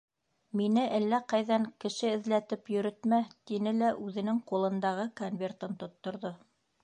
Мине әллә ҡайҙан кеше эҙләтеп йөрөтмә, — тине лә үҙенең ҡулындағы конвертын тотторҙо.